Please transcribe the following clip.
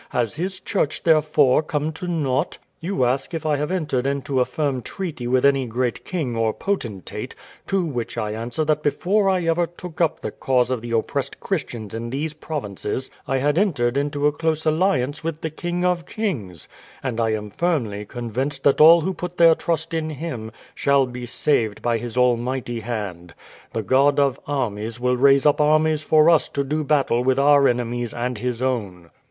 Has His church, therefore, come to nought? You ask if I have entered into a firm treaty with any great king or potentate, to which I answer that before I ever took up the cause of the oppressed Christians in these provinces I had entered into a close alliance with the King of kings; and I am firmly convinced that all who put their trust in Him shall be saved by His Almighty hand. The God of armies will raise up armies for us to do battle with our enemies and His own."